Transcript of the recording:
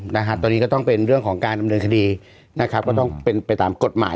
นะฮะตอนนี้ก็ต้องเป็นเรื่องของการดำเนินคดีนะครับก็ต้องเป็นไปตามกฎหมาย